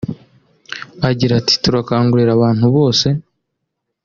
Agira ati “Turakangurira abantu bose